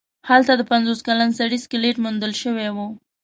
هلته د پنځوس کلن سړي سکلیټ موندل شوی و.